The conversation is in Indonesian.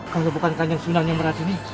kalau bukan kandung sunan yang merah sini